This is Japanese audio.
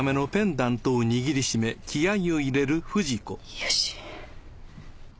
よし！